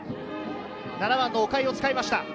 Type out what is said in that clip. ７番の岡井を使いました。